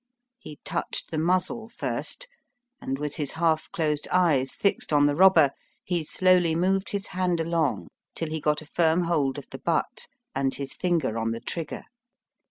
He touched the muzzle first, and, with his haK closed eyes fixed on the robber, he slowly moved his hand along till he got a firm hold of the butt and his finger on the trigger.